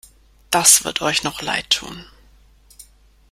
Das wird euch noch leid tun!